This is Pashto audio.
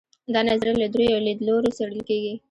دا نظریه له درېیو لیدلورو څېړل کیږي.